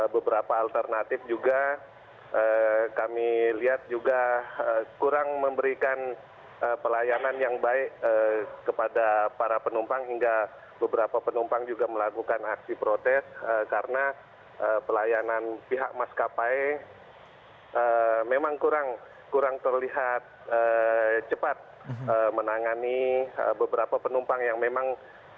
beberapa alternatif juga kami lihat juga kurang memberikan pelayanan yang baik kepada para penumpang hingga beberapa penumpang juga melakukan aksi protes karena pelayanan pihak mas kapai memang kurang terlihat cepat menangani beberapa penumpang yang memang